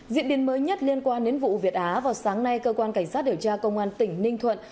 diễn biến mới nhất liên quan đến vụ việt á vào sáng nay cơ quan cảnh sát điều tra công an tỉnh ninh thuận